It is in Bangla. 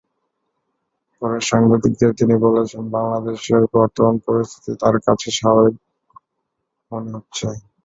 পরে সাংবাদিকদের তিনি বলেছেন, বাংলাদেশের বর্তমান পরিস্থিতি তাঁর কাছে স্বাভাবিকই মনে হচ্ছে।